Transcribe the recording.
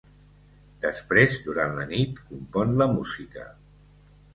Després, durant la nit, compon la música.